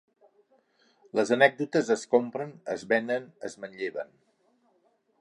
Les anècdotes es compren, es venen, es manlleven...